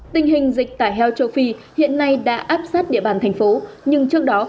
tình hình dịch tả heo châu phi hiện nay đã áp sát địa bàn thành phố nhưng trước đó